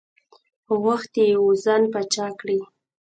غوښتي یې وو ځان پاچا کړي.